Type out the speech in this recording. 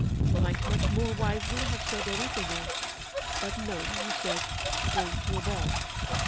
You might much more wisely have said anything else, but no; you said, to go to a ball.